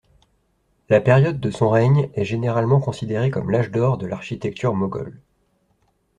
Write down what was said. La période de son règne est généralement considérée comme l'âge d'or de l'architecture moghole.